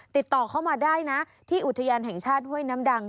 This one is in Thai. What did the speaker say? ติดต่อเข้ามาได้นะที่อุทยานแห่งชาติห้วยน้ำดัง